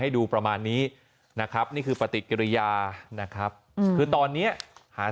ดูประมาณนี้นะครับนี่คือปฏิกิริยานะครับคือตอนเนี้ยหา